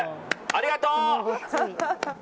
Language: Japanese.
ありがとう！